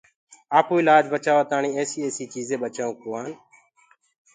آپوئيٚ لآج بچآوآ تآڻيٚ ايسيٚ ايسيٚ چيٚجينٚ ٻچآئونٚ کُوآن۔